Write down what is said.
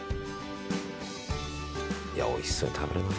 いやおいしそうに食べるなあ。